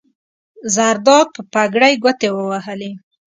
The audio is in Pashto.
زرداد په پګړۍ ګوتې ووهلې.